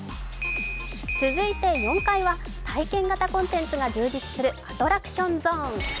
続いて、４階は体験型コンテンツが充実するアトラクションゾーン。